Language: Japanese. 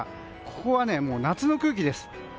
ここは夏の空気です。